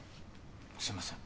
すいません